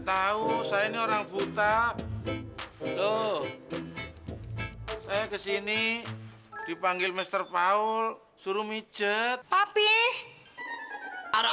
tahu saya ini orang buta loh saya kesini dipanggil mr paul suruh mijet tapi anak